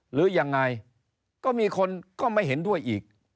หรือยังไงก็มีคนก็ไม่เห็นด้วยอีก